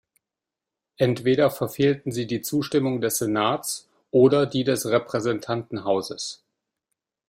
Entweder verfehlten sie die Zustimmung des Senates oder die des Repräsentantenhauses.